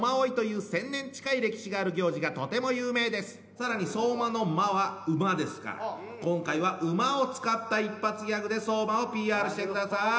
更にそうまの「ま」は「馬」ですから今回は馬を使った一発ギャグで相馬をＰＲしてください。